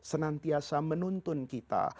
senantiasa menuntun kita